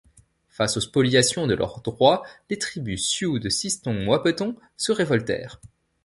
Face aux spoliations de leurs droits, les tribus Sioux des Sisseton-Wahpeton se révoltèrent.